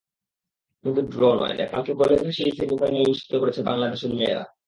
কিন্তু ড্র নয়, নেপালকে গোলে ভাসিয়েই সেমিফাইনাল নিশ্চিত করেছে বাংলাদেশের মেয়েরা।